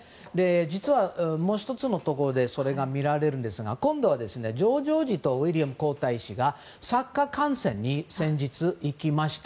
実は、もう１つのところでそれが見られるんですが今度はジョージ王子とウィリアム皇太子がサッカー観戦に先日行きました。